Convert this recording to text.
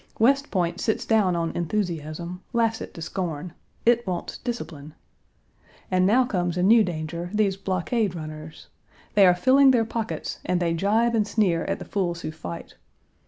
West Point sits down on enthusiasm, laughs it to scorn. It wants discipline. And now comes a new danger, these blockade runners. They are filling their pockets and they gibe and sneer at the fools who fight.